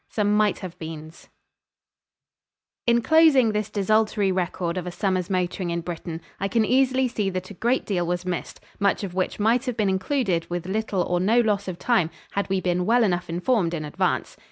XX SOME MIGHT HAVE BEENS In closing this desultory record of a summer's motoring in Britain, I can easily see that a great deal was missed, much of which might have been included with little or no loss of time had we been well enough informed in advance.